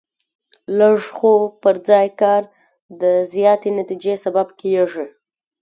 لږ خو پر ځای کار د زیاتې نتیجې سبب کېږي.